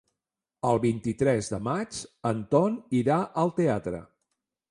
El vint-i-tres de maig en Ton irà al teatre.